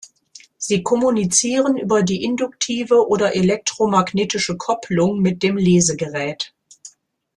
Sie kommunizieren über die induktive oder elektro-magnetische Kopplung mit dem Lesegerät.